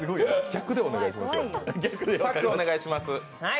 逆でお願いします。